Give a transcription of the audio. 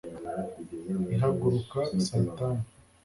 ihaguruka saa tanu